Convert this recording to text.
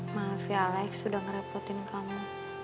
maaf ya alex sudah merepotin kamu